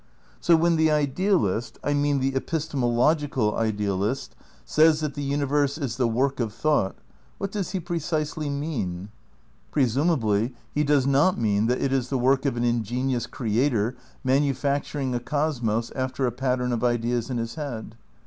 So when the idealist (I mean the epistemological 8 THE NEW IDEALISM i idealist) says that the universe is "the work of thought, " what does he precisely mean? Presumably he does not mean that it is the work of an ingenious Creator manufacturing a cosmos after a pattern of ideas in his head.